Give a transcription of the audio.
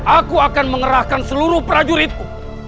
aku akan mengerahkan seluruh prajuritku